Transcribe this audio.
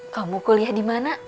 kamu kuliah dimana